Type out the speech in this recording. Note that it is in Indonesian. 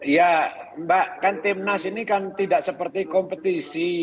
ya mbak kan timnas ini kan tidak seperti kompetisi